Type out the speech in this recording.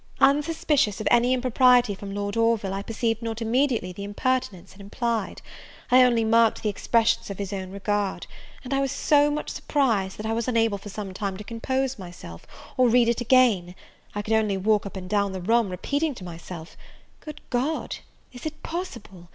Unsuspicious of any impropriety from Lord Orville, I perceived not immediately the impertinence it implied, I only marked the expressions of his own regard; and I was so much surprised, that I was unable for some time to compose myself, or read it again: I could only walk up and down the room, repeating to myself, "Good God, is it possible?